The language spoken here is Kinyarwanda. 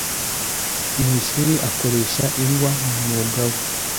mu ishuri akoresha ingwa mu mwuga we